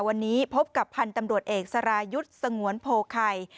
วันนี้พบกับพันธุ์ตำรวจเอกสรายุทธ์สงวนโพไข่